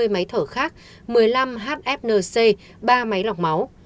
hai mươi máy thở khác một mươi năm hfnc ba máy lọc máu